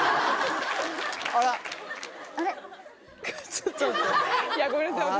ちょっと待っていやごめんなさい私。